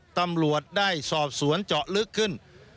ตำรวจได้สอบสวนเจาะลึกขึ้น